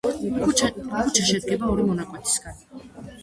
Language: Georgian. ქუჩა შედგება ორი მონაკვეთისაგან.